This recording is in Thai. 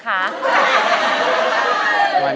ร้องได้ให้ร้อง